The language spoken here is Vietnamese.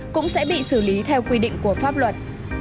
cũng sẽ bị xử lý theo quy định của pháp luật